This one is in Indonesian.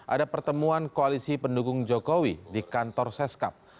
ada pertemuan koalisi pendukung jokowi di kantor seskap